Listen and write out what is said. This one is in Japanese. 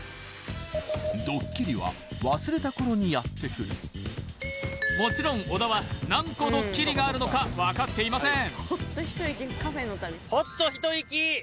ドッキリは忘れたころにやってくるもちろん小田は何個ドッキリがあるのか分かっていません